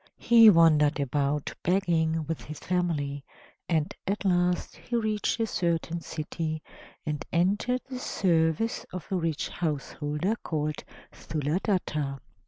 He wandered about begging with his family, and at last he reached a certain city, and entered the service of a rich householder called Sthuladatta.